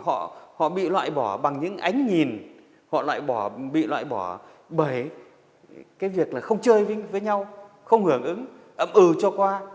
họ bị loại bỏ bằng những ánh nhìn họ bị loại bỏ bởi việc không chơi với nhau không hưởng ứng ấm ưu cho qua